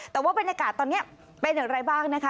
แต่ว่าบรรยากาศตอนนี้เป็นอย่างไรบ้างนะคะ